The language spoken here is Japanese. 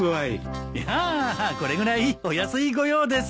いやあこれぐらいお安いご用です。